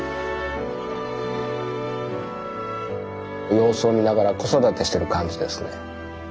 様子を見ながら子育てしてる感じですね。